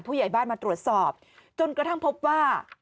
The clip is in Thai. ผู้ใหญ่บ้านมาตรวจสอบจนกระทั่งพบว่า